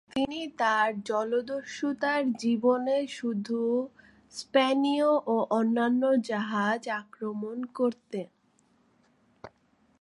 তিনি তার জলদস্যুতার জীবনে শুধু স্প্যানীয় ও অন্যান্য জাহাজ আক্রমণ করতেন।